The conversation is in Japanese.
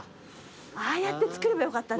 ああやって作ればよかったな。